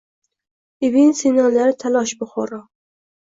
Ibn Sinolari talosh Buxoro